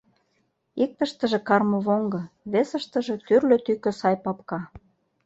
Иктыштыже — кармывоҥго, весыштыже — тӱрлӧ тӱкӧ сай папка.